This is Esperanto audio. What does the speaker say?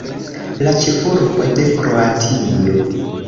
La ĉefurbo de Kroatio.